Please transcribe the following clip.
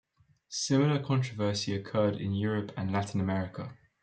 Similar controversy occurred in Europe and Latin America.